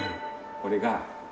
これが。